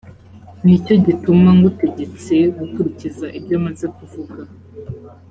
ni cyo gituma ngutegetse gukurikiza ibyo maze kuvuga.